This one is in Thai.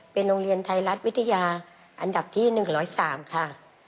เป็นโรงเรียนไทยรัฐวิทยาอันดับที่๑๐๓ค่ะ